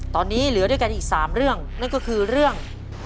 ตอนนี้เหลือด้วยกันอีก๓เรื่องนั่นก็คือเรื่อง